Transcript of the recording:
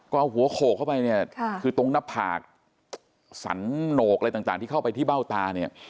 ก็เอาหัวโขกเข้าไปเนี่ยคือตรงหน้าผากสันโหนกอะไรต่างที่เข้าไปที่เบ้าตาเนี่ย